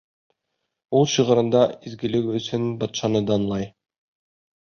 Ул шиғырында изгелеге өсөн батшаны данлай.